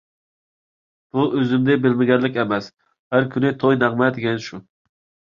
بۇ ئۆزۈمنى بىلمىگەنلىك ئەمەس، ھەر كۈنى توي - نەغمە دېگەن شۇ.